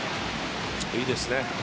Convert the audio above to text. いいですね。